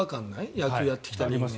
野球やってきた人間。